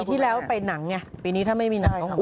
ที่แล้วไปหนังไงปีนี้ถ้าไม่มีหนัง